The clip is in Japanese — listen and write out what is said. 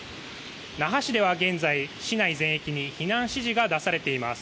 那覇市では現在市内全域に避難指示が出されています。